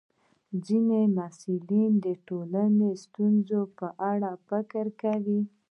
ځینې محصلین د ټولنې د ستونزو په اړه فکر کوي.